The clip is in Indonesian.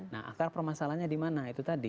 nah akar permasalahannya di mana itu tadi